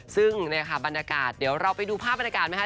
ซึ่งเนี่ยค่ะบรรยากาศเดี๋ยวเราไปดูภาพบรรยากาศไหมคะ